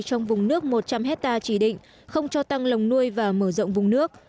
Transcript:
trong vùng nước một trăm linh hectare chỉ định không cho tăng lồng nuôi và mở rộng vùng nước